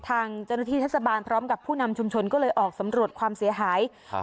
ทางเจ้าหน้าที่เทศบาลพร้อมกับผู้นำชุมชนก็เลยออกสำรวจความเสียหายครับ